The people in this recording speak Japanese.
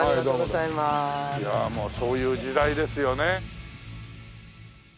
いやもうそういう時代ですよね。